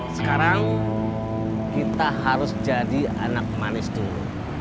sekarang kita harus jadi anak manis dulu